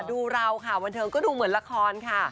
ดูเราค่ะบันเทิงก็ดูเหมือนละครค่ะ